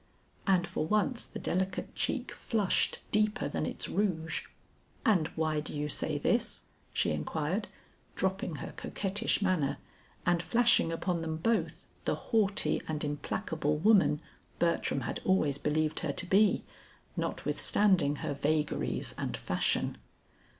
and for once the delicate cheek flushed deeper than its rouge. "And why do you say this?" she inquired, dropping her coquettish manner and flashing upon them both, the haughty and implacable woman Bertram had always believed her to be, notwithstanding her vagaries and fashion.